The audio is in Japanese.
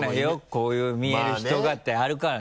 こういう見える人がってあるからね。